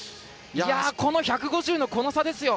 この１５０の、この差ですよ！